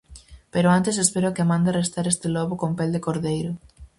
Pero antes espero que mande arrestar este lobo con pel de cordeiro.